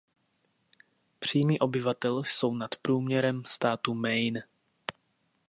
Příjmy obyvatel jsou nad průměrem státu Maine.